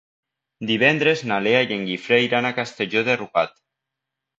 Divendres na Lea i en Guifré iran a Castelló de Rugat.